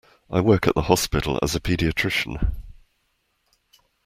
I work at the hospital as a paediatrician.